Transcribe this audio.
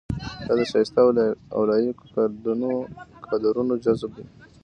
دا د شایسته او لایقو کادرونو جذب دی.